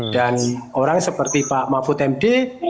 dan orang seperti pak mahfud md